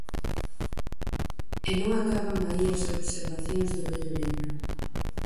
E non acaban aí as observacións do vello libro: